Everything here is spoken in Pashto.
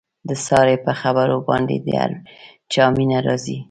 د سارې په خبرو باندې د هر چا مینه راځي.